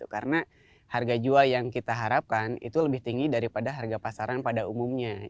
karena harga jual yang kita harapkan itu lebih tinggi daripada harga pasaran pada umumnya